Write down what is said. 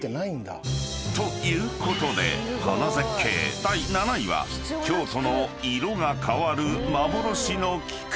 ［ということで花絶景第７位は京都の色が変わる幻の菊］